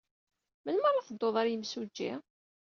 Melmi ara teddud ɣer yimsujji?